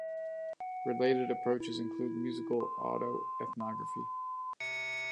Related approaches include musical autoethnography.